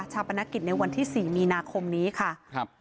ชาวประณกิจในวันที่๔มีนาคมนี้ค่ะ